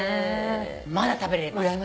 まだ食べれます。